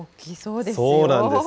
そうなんです。